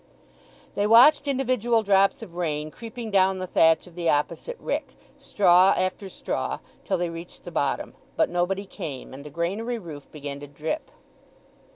They watched individual drops of rain creeping down the thatch of the opposite rick—straw after straw—till they reached the bottom; but nobody came, and the granary roof began to drip.